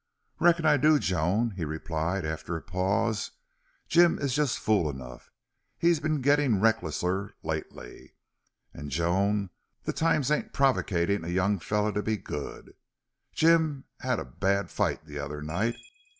"Reckon I do, Joan," he replied, after a pause. "Jim is just fool enough. He had been gettrn' recklessler lately. An', Joan, the times ain't provocatin' a young feller to be good. Jim had a bad fight the other night.